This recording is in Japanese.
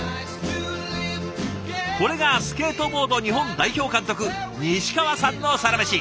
これがスケートボード日本代表監督西川さんのサラメシ。